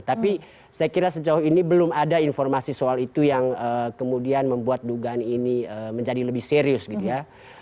tapi saya kira sejauh ini belum ada informasi soal itu yang kemudian membuat dugaan ini menjadi lebih serius gitu ya